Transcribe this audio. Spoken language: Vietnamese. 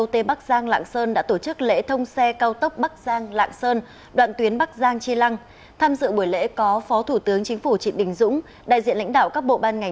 thì bây giờ năng lực tài chính khi người ta mới tiếp cận được hai trăm bốn mươi tỷ